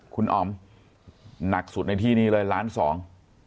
คุณอ๋อมหนักสุดในที่นี้เลยล้านสอง